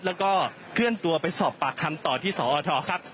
แล้วก็เคลื่อนตัวไปสอบปากคำต่อที่สอทครับ